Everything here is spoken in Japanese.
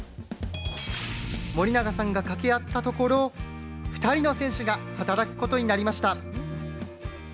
森永さんが掛け合ったところ、２人の選手が働くことになりました。